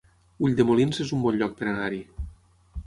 Ulldemolins es un bon lloc per anar-hi